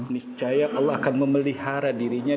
niscaya allah akan memelihara dirinya